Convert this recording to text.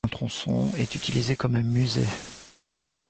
Un tronçon est utilisé comme musée.